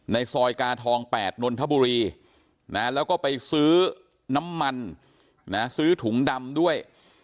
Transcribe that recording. ในซอยกาทอง๘นนทบุรีแล้วก็ไปซื้อน้ำมันซื้อถุงดำด้วย